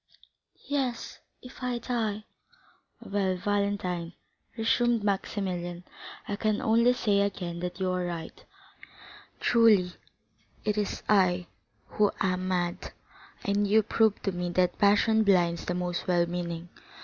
"Yes,—if I die!" "Well, Valentine," resumed Maximilian, "I can only say again that you are right. Truly, it is I who am mad, and you prove to me that passion blinds the most well meaning.